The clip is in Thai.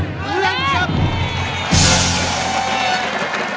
ต้องล็อกว่า